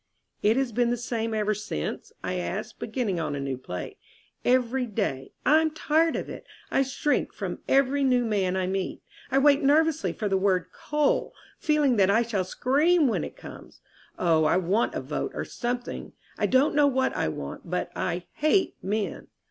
"It has been the same ever since?" I asked, beginning on a new plate. "Every day. I'm tired of it. I shrink from every new man I meet. I wait nervously for the word 'coal,' feeling that I shall scream when it comes. Oh, I want a vote or something. I don't know what I want, but I hate men!